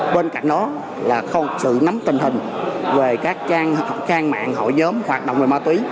bên cạnh đó là sự nắm tình hình về các trang mạng hội nhóm hoạt động về ma túy